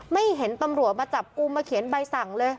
ไม่เห็นตำรวจมาจับกลุ่มมาเขียนใบสั่งเลย